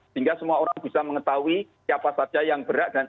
sehingga semua orang bisa mengetahui siapa saja yang berhak